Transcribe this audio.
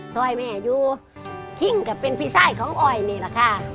สวยแม่อยู่ขิ้งก็เป็นพิสัยของอ้อยนี่แหละค่ะ